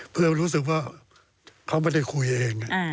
เพื่อรู้สึกว่าเขาไม่ได้คุยเอง